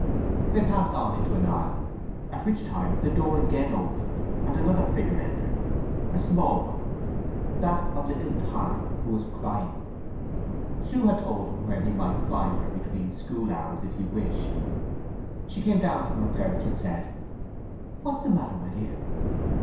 They passed on into an aisle, at which time the door again opened, and another figure entered—a small one, that of little Time, who was crying. Sue had told him where he might find her between school hours, if he wished. She came down from her perch, and said, "What's the matter, my dear?"